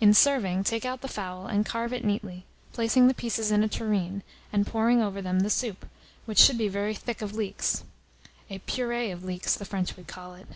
In serving, take out the fowl, and carve it neatly, placing the pieces in a tureen, and pouring over them the soup, which should be very thick of leeks (a purée of leeks the French would call it).